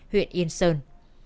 huyện yên sơn